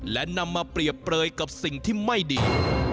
และนำมาเปรียบเปลยกับสิ่งที่ไม่ดี